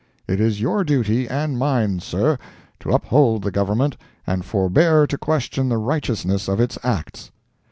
It is your duty and mine, Sir, to uphold the Government and forbear to question the righteousness of its acts."